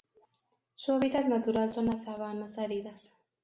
Su hábitat natural son las sabanas áridas.